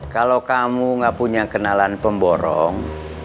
kalau kamu gak punya kenalan pemborong